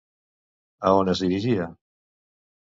A on es dirigia?